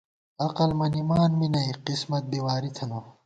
عقل مَنِمان می نئ قسمت بی واری تھنَہ